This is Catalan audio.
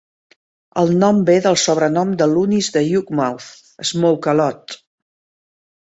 El nom ve del sobrenom de Luniz de Yukmouth, "Smoke-a-Lot".